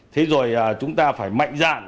thế rồi chúng ta phải mạnh dạn